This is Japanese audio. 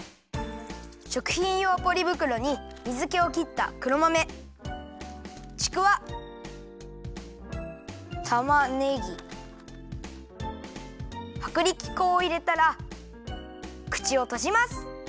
しょくひんようポリぶくろに水けをきった黒豆ちくわたまねぎはくりき粉をいれたらくちをとじます。